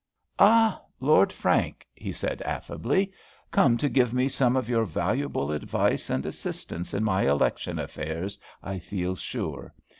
"Ah, Lord Frank," he said, affably; "come to give me some of your valuable advice and assistance in my election affairs, I feel sure.